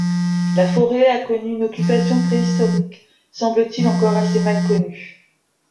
La forêt a connu une occupation préhistorique, semble-t-il encore assez mal connue.